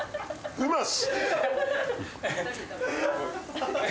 うまし！